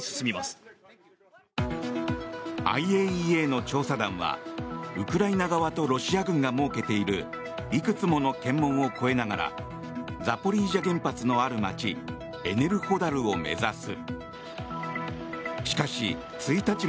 ＩＡＥＡの調査団はウクライナ側とロシア軍が設けているいくつもの検問を越えながらザポリージャ原発のある街エネルホダルを目指す。